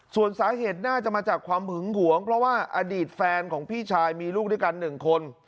ส่วนสาเหตุน่าจะมาจากความหึงหวงเพราะว่าอดีตแฟนของพี่ชายมีลูกด้วยกัน๑คน